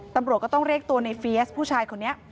ตำรวจก็ต้องเรียกตัวในเฟียสผู้ชายคนนี้